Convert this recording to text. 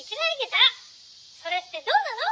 それってどうなの？